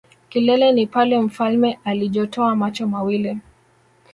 kilele ni pale mfalme alijotoa macho mawili.